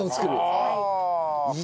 はい。